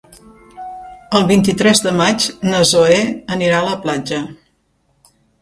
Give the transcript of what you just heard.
El vint-i-tres de maig na Zoè anirà a la platja.